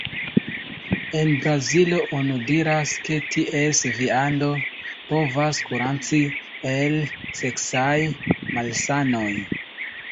En Brazilo oni diras, ke ties viando povas kuraci el seksaj malsanoj.